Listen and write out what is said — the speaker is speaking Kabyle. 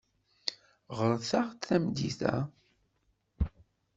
Ɣret-aɣ-d tameddit-a.